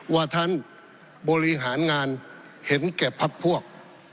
ว่าท่านบริหารงานเห็นแก่พักพวก